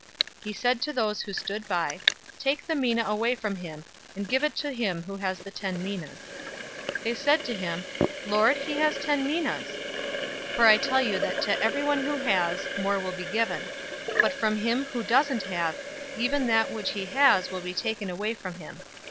019:024 He said to those who stood by, 'Take the mina away from him, and give it to him who has the ten minas.' 019:025 "They said to him, 'Lord, he has ten minas!' 019:026 'For I tell you that to everyone who has, will more be given; but from him who doesn't have, even that which he has will be taken away from him.